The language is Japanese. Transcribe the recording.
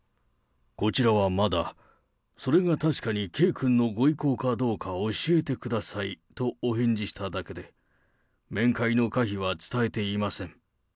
こちらはまだ、それが確かに圭君のご意向かどうか教えてくださいとお返事しただけで、面会の可否は伝えていません。